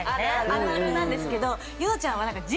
あるあるなんですけど。